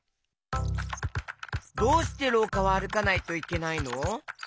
どうしてろうかはあるかないといけないの？